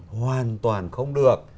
hoàn toàn không được